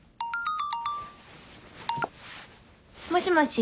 もしもし？